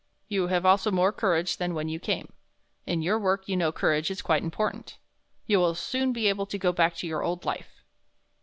"You have also more courage than when you came. In your work you know courage is quite important. You will soon be able to go back to your old life."